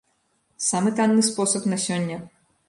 Самы танны спосаб на сёння.